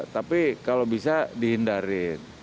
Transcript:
tapi kalau bisa dihindarin